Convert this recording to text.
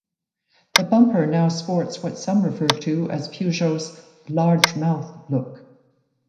The bumper now sports what some refer to as Peugeot's "large mouth" look.